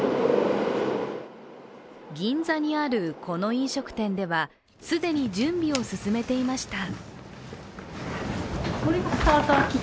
銀座にあるこの飲食店では既に準備を進めていました。